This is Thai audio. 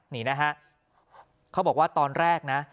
นี่นะฮะเขาบอกว่าตอนแรกนะ